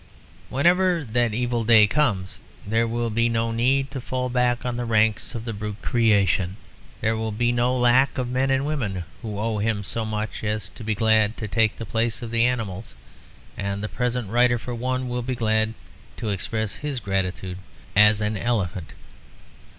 Whenever that evil day comes there will be no need to fall back on the ranks of the brute creation; there will be no lack of men and women who owe him so much as to be glad to take the place of the animals; and the present writer for one will be glad to express his gratitude as an elephant.